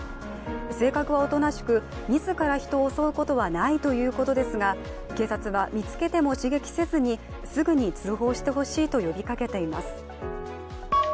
性格はおとなしく、自ら人を襲うことはないということですが、警察は、見つけても刺激せずにすぐに通報してほしいと呼びかけています。